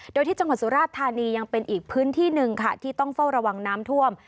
โดยที่จังหวัดสุราชธานียังเป็นอีกพื้นที่หนึ่งค่ะที่ต้องเฝ้าระวังน้ำท่วม